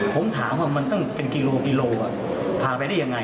ผมถามว่ามันต้องเป็นกิโลกิโลพาไปได้ยังไง